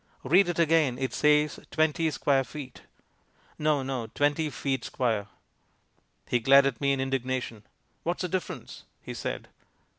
"Read it again. It says 20 square feet." "No, no, 20 feet square." He glared at me in indignation. "What's the difference?" he said.